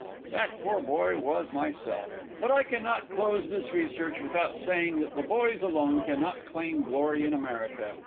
That poor boy was myself. But I can not close this research without saying that the boys alone can not claim the glory in America.